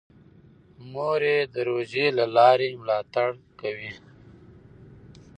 مور یې د روژې له لارې ملاتړ کوي.